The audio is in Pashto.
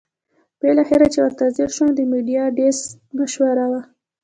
بالاخره چې ورته ځېر شوم د میډیا ډیسک مشاور وو.